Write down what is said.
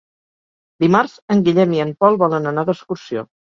Dimarts en Guillem i en Pol volen anar d'excursió.